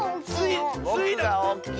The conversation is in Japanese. スイがおおきいの！